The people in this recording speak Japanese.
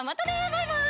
バイバイ！